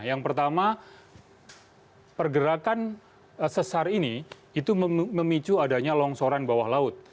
yang pertama pergerakan sesar ini itu memicu adanya longsoran bawah laut